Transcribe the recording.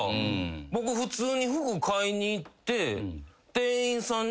僕普通に服買いに行って。